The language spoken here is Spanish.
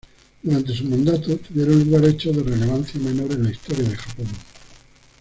Durante su mandato tuvieron lugar hechos de relevancia menor en la historia de Japón.